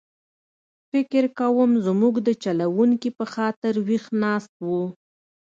فکر کووم زموږ د چلوونکي په خاطر ویښ ناست و.